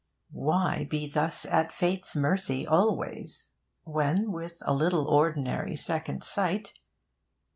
Why be thus at Fate's mercy always, when with a little ordinary second sight...